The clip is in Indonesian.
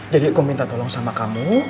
jadi aku minta tolong sama kamu